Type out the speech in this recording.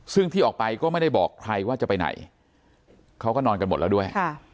ซึ่งที่ออกไปก็ไม่ได้บอกใครว่าจะไปไหนเขาก็นอนกันหมดแล้วด้วย